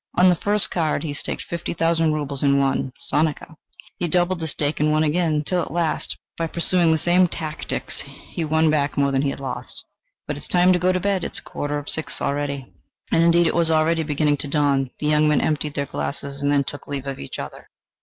On the first card he staked fifty thousand rubles and won sonika; he doubled the stake and won again, till at last, by pursuing the same tactics, he won back more than he had lost ... "But it is time to go to bed: it is a quarter to six already." And indeed it was already beginning to dawn: the young men emptied their glasses and then took leave of each other.